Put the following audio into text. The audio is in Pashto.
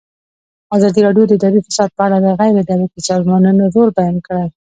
ازادي راډیو د اداري فساد په اړه د غیر دولتي سازمانونو رول بیان کړی.